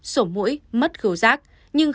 sổ mũi mất khứu sát nhưng